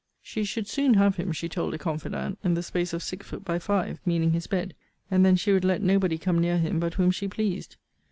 She should soon have him, she told a confidant, in the space of six foot by five; meaning his bed: and then she would let nobody come near him but whom she pleased.